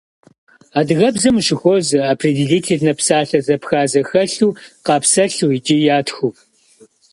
Адыгэбзэм ущыхуозэ определительнэ псалъэ зэпха зэхэлъу къапсэлъу икӏи ятхыу.